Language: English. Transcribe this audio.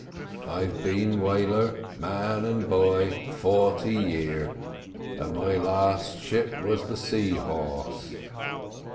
I've been whaler man and boy forty year, and my last ship was the Sea Horse.